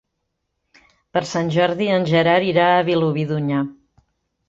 Per Sant Jordi en Gerard irà a Vilobí d'Onyar.